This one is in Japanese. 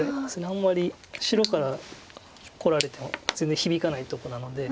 あんまり白からこられても全然響かないとこなので。